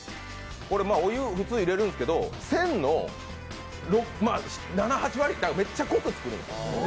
お湯、普通、入れるんですけど、線の７８割、めっちゃ濃く作るんです。